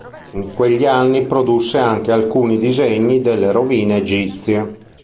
In quegli anni produsse anche alcuni disegni delle rovine egizie.